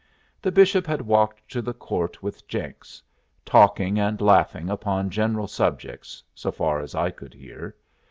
The Bishop had walked to the court with Jenks, talking and laughing upon general subjects, so far as I could hear.